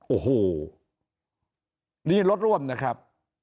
โอ้โหนี่รถร่วมนะครับ